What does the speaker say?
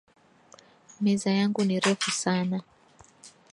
Meza yangu ni refu sana